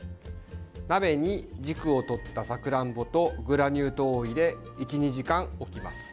鍋に、軸を取ったさくらんぼとグラニュー糖を入れ１２時間、置きます。